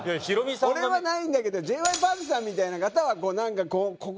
俺はないんだけどＪ．Ｙ．Ｐａｒｋさんみたいな方は何か。